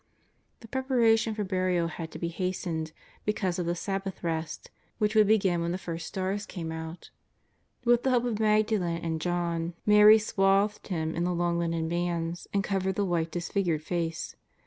The preparations for burial had to be hastened, be cause of the Sabbath rest, which would begin when the first stars came out. With the help of Magdalen and John, Mary swathed Him in the long linen bands, and covered the white, disfigured face.